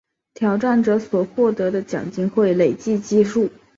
挑战者所得的奖金会累积计算。